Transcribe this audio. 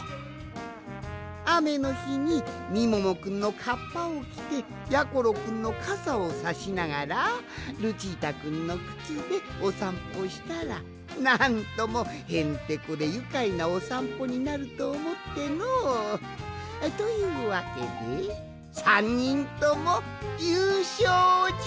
あめのひにみももくんのかっぱをきてやころくんのかさをさしながらルチータくんのくつでおさんぽしたらなんともへんてこでゆかいなおさんぽになるとおもっての。というわけで３にんともゆうしょうじゃ！